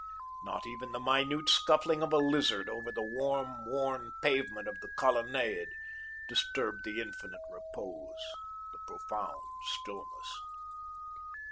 Not even the minute scuffling of a lizard over the warm, worn pavement of the colonnade disturbed the infinite repose, the profound stillness.